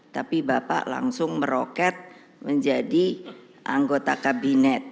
tapi bapak langsung meroket menjadi anggota kabinet